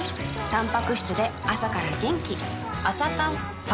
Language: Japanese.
たんぱく質で朝から元気